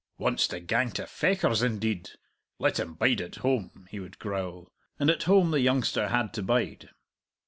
"Wants to gang to Fechars, indeed! Let him bide at home," he would growl; and at home the youngster had to bide.